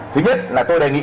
thứ nhất là tôi đề nghị